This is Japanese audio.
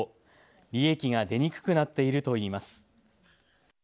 利益が出にくくなっているといいます。